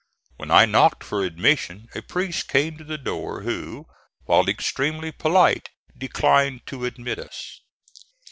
When I knocked for admission a priest came to the door who, while extremely polite, declined to admit us.